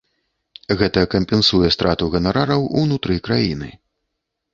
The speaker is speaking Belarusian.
Гэта кампенсуе страту ганарараў унутры краіны.